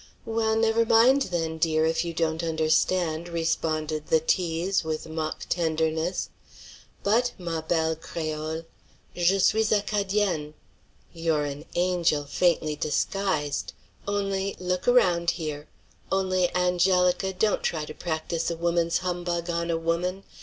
"Well, never mind then, dear, if you don't understand," responded the tease, with mock tenderness. "But, ma belle Créole " "Je suis Acadienne." "You're an angel, faintly disguised. Only look around here only, Angelica, don't try to practise woman's humbug on a woman.